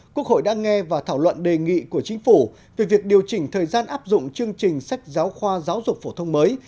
quốc hội đã nghe và thảo luận đề nghị của chính phủ về việc điều chỉnh thời gian áp dụng chương trình sách giáo khoa giáo dục phổ thông mới